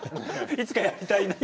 いつかやりたいなと？